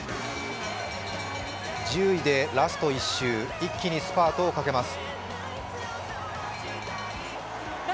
１０位でラスト１周、一気にスパートをかけます。